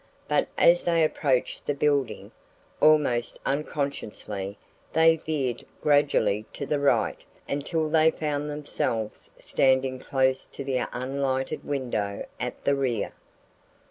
But as they approached the building, almost unconsciously they veered gradually to the right until they found themselves standing close to the unlighted window at the rear.